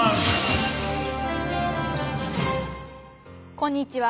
こんにちは。